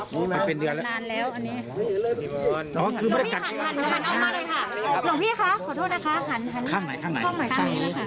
แต่มันนานแล้วใช่ไหม